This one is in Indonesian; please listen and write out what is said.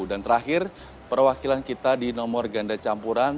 dan terakhir perwakilan kita di nomor ganda campuran